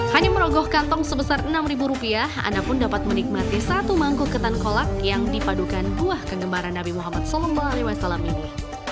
hanya merogoh kantong sebesar enam rupiah anda pun dapat menikmati satu mangkuk ketan kolak yang dipadukan buah kegembaran nabi muhammad saw ini